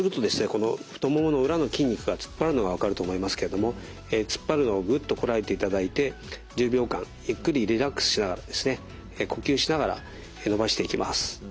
この太ももの裏の筋肉が突っ張るのが分かると思いますけれども突っ張るのをぐっとこらえていただいて１０秒間ゆっくりリラックスしながらですね呼吸しながら伸ばしていきます。